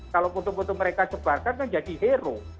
kalau foto foto mereka sebarkan kan jadi hero